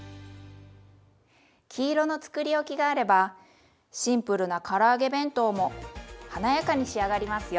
黄色のつくりおきがあればシンプルなから揚げ弁当も華やかに仕上がりますよ。